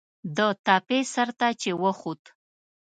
د تپې سر ته چې وخوت.